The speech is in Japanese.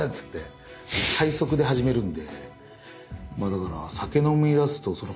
だから。